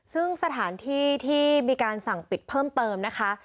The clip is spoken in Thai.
ซึ่งสถานที่ที่มีการสั่งปิดเพิ่มเติมนะคะ